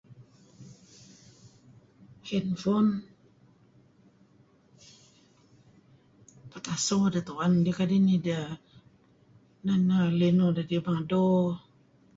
Handphone petaso deh tu'en idih kadi' nideh neh neh linuh dedih pengeh mado.